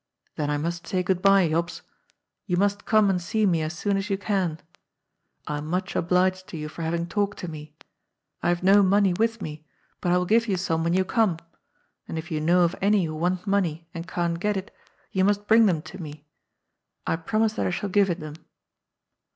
Then I must say good bye, Jops. You must come and see me as soon as you can. I am much obliged to you for having talked to me. I have no money with me, but I wiU give you some when you come. And if you know of any who want money and can't get it, you must bring them to me. I promise that I shall give it them."